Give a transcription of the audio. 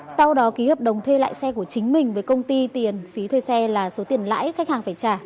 sau đó ký hợp đồng thuê lại xe của chính mình với công ty tiền phí thuê xe là số tiền lãi khách hàng phải trả